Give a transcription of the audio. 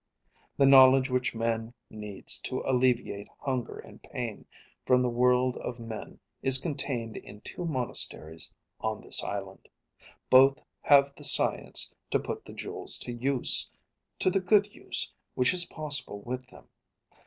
"The knowledge which man needs to alleviate hunger and pain from the world of men is contained in two monasteries on this island. Both have the science to put the jewels to use, to the good use which is possible with them.